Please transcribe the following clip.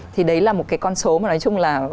thì đấy là một cái con số mà nói chung là